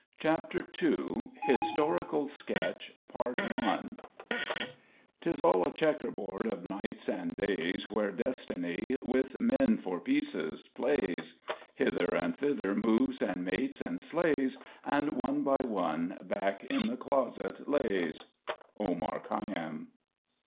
CHAPTER II HISTORICAL SKETCH 'Tis all a Chequer board of Nights and Days Where Destiny with Men for Pieces plays: Hither and thither moves, and mates, and slays, And one by one back in the Closet lays. OMAR KHAYYAM.